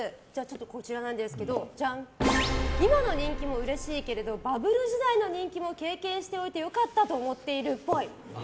今の人気もうれしいけれどバブル時代の人気も経験しておいて良かったと思っているっぽい。